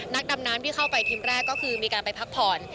นักดำน้ำที่เข้าไปทีมแรกก็คือมีการไปพักผ่อน